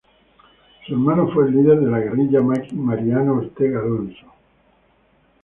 Su hermano fue el líder de la guerrilla "maqui" Mariano Ortega Alonso.